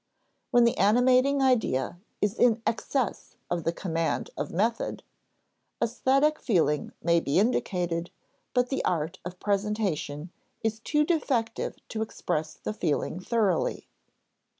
When the animating idea is in excess of the command of method, æsthetic feeling may be indicated, but the art of presentation is too defective to express the feeling thoroughly.